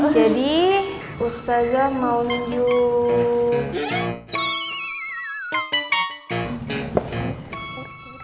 jadi ustazah mau nunjuk